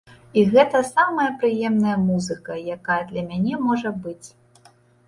І гэта самая прыемная музыка, якая для мяне можа быць.